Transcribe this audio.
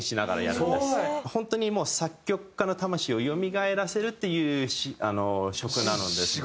本当にもう作曲家の魂を蘇らせるっていう職なのですね。